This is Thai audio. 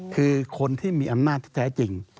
คือคนที่มีอำนาจที่แท้จริง